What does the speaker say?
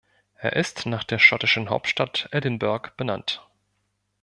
Er ist nach der schottischen Hauptstadt Edinburgh benannt.